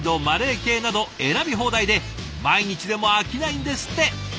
マレー系など選び放題で毎日でも飽きないんですって。